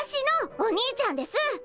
お兄ちゃんです！